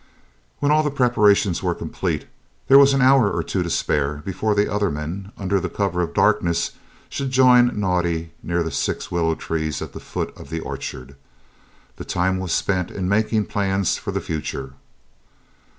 When all the preparations were complete there was an hour or two to spare before the other men, under cover of darkness, should join Naudé near the six willow trees at the foot of the orchard. That time was spent in making plans for the future.